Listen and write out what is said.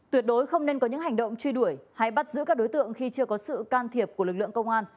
tuyệt đối không nên có những hành động truy đuổi hay bắt giữ các đối tượng khi chưa có sự can thiệp của lực lượng công an